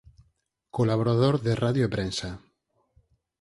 Colaborador de radio e prensa.